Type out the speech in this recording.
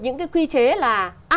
những cái quy chế là